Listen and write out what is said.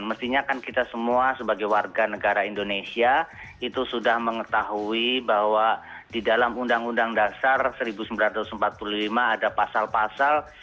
mestinya kan kita semua sebagai warga negara indonesia itu sudah mengetahui bahwa di dalam undang undang dasar seribu sembilan ratus empat puluh lima ada pasal pasal